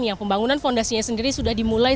yang pembangunan fondasinya sendiri sudah dimulai